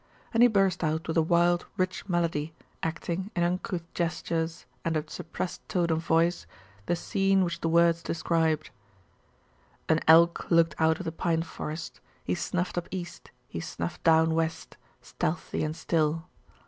And he burst out with a wild rich melody, acting, in uncouth gestures and a suppressed tone of voice, the scene which the words described An elk looked out of the pine forest He snuffed up east, he snuffed down west, Stealthy and still.